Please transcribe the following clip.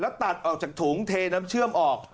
แล้วตัดออกจากถุงเทน้ำเชื่อมออก